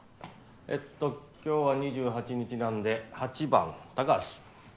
えっと今日は２８日なんで８番高橋。